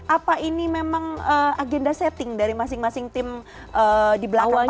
apa ini memang agenda setting dari masing masing tim di belakang paslon